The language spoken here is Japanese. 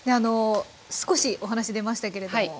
少しお話出ましたけれども。